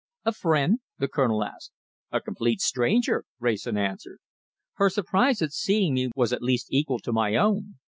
"A friend?" the Colonel asked. "A complete stranger!" Wrayson answered. "Her surprise at seeing me was at least equal to my own.